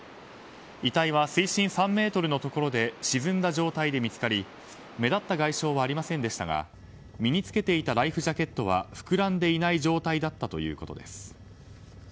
遺体は水深３ｍのところで沈んだ状態で見つかり目立った外傷はありませんでしたが身に付けていたライフジャケットは膨らんでいない状態だったということです。